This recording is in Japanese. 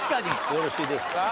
よろしいですか？